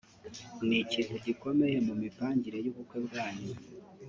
) ni ikintu gikomeye mum mipangire yy’ubukwe bwanyu